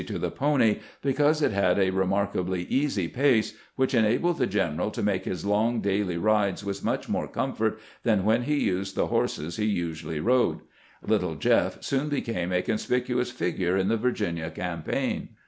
THE DEATH OF SEDGWICK 89 to the pony because it had a remarkably easy pace, wMcb enabled the general to make his long daily rides with much more comfort than when he used the horses he usually rode. " Little Jeff " soon became a conspicu ous figure in the Virginia campaign.